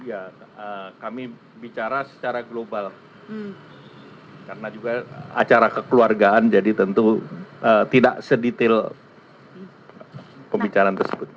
ya kami bicara secara global karena juga acara kekeluargaan jadi tentu tidak sedetail pembicaraan tersebut